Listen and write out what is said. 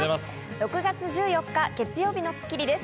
６月１４日、月曜日の『スッキリ』です。